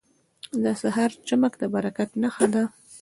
• د سهار چمک د برکت نښه ده.